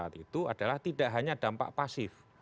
saat itu adalah tidak hanya dampak pasif